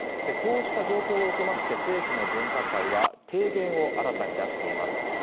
こうした状況を受けまして政府の分科会は提言を新たに出しています。